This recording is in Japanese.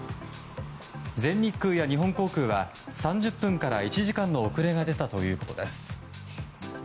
全日空や日本航空は３０分から１時間の遅れが出たということです。